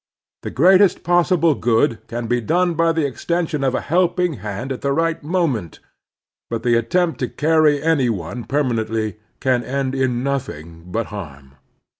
The greatest possible good can be done by the extension of a helping hand at the right moment, but the attempt to carry any one permanently can end in nothing but harm.